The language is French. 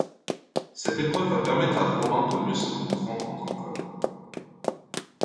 Cette épreuve va permettre à Romain de mieux se comprendre en tant qu'homme.